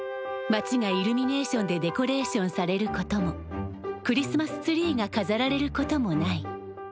街がイルミネーションでデコレーションされることもクリスマスツリーがかざられることもない。